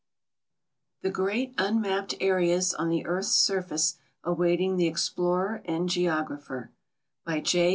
THE GREAT UNMAPPED AREAS ON THE EARTH'S SURFACE AWAITING THE EXPLORER AND GEOGRAPHER* By J.